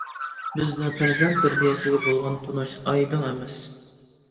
بىزدە پەرزەنت تەربىيەسىگە بولغان تونۇش ئايدىڭ ئەمەس.